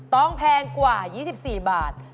แพงกว่า๒๔บาท